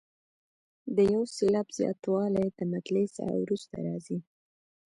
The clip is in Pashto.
د یو سېلاب زیاتوالی د مطلع څخه وروسته راځي.